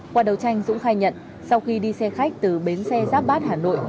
qua đầu tranh dũng khai nhận sau khi đi xe khách từ bến xe giáp bát hà nội